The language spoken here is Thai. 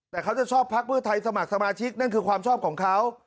แต่เขาจะชอบพักเพื่อไทยสมัครสมาชิกนั่นคือความชอบของเขา